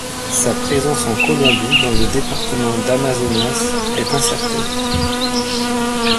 Sa présence en Colombie dans le département d'Amazonas est incertaine.